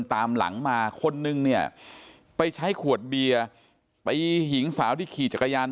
ตามหลังมาคนนึงเนี่ยไปใช้ขวดเบียร์ไปหญิงสาวที่ขี่จักรยาน